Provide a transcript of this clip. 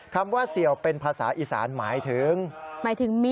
คำว่าเสี่ยวเป็นภาษาอีสานหมายถึงมี